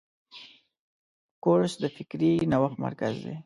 کورس د فکري نوښت مرکز دی.